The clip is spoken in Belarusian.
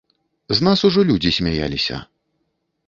З нас ужо людзі смяяліся.